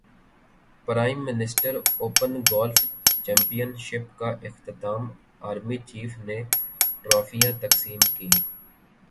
prime minister open golf championship کا اختتام army chief نے ٹرافیاں تقسیم کیں